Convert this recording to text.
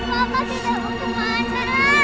mama tidak mau kemana ma